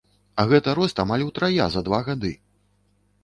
А гэта рост амаль утрая за два гады!